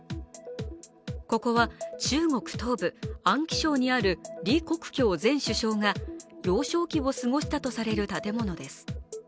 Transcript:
ここは中国東部安徽省にある李克強前首相が幼少期を過ごしたとされる建物です。